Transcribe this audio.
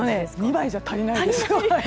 ２枚じゃ足りないです。